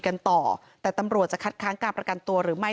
กันต่อแต่ตำรวจจะคัดค้างการประกันตัวหรือไม่